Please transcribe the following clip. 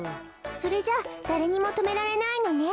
それじゃあだれにもとめられないのね。